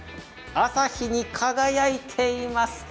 朝日に輝いています。